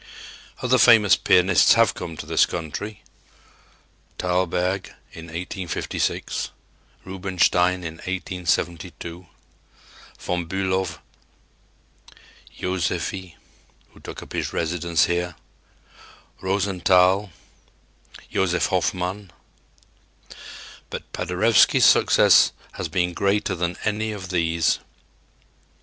Other famous pianists have come to this country Thalberg in 1856; Rubinstein in 1872; Von Bülow, Joseffy, who took up his residence here; Rosenthal, Josef Hofmann. But Paderewski's success has been greater than any of these.